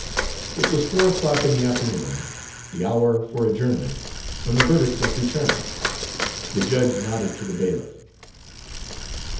It was four o'clock in the afternoon, the hour for adjournment, when the verdict was returned. The judge nodded to the bailiff.